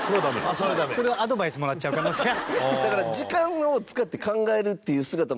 柴田：それは、アドバイスもらっちゃう可能性が。